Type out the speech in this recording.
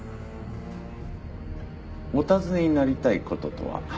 お尋ねになりたい事とは？